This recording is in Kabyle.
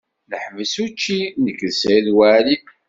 Neḥbes učči nekk d Saɛid Waɛli.